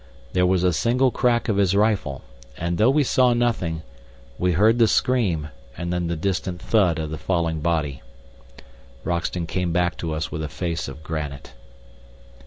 There was a single crack of his rifle, and, though we saw nothing, we heard the scream and then the distant thud of the falling body. Roxton came back to us with a face of granite.